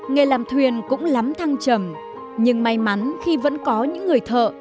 nghề làm thuyền cũng lắm thăng trầm nhưng may mắn khi vẫn có những người thợ